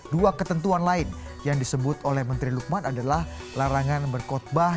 dua ketentuan lain yang disebut oleh menteri lukman adalah larangan berkotbah